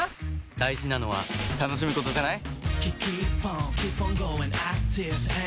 大事なのは楽しむことじゃない？